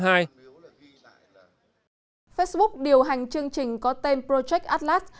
facebook điều hành chương trình có tên project atlas